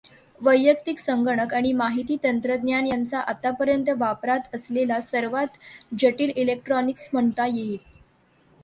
वैयक्तिक संगणक आणि माहिती तंत्रज्ञान यांना आतापर्यंत वापरात असलेले सर्वात जटिल इलेक्ट्रॉनिक्स म्हणता येईल.